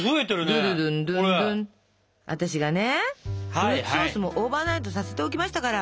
フルーツソースもオーバーナイトさせておきましたから。